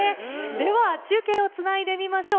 では、中継をつないでみましょう。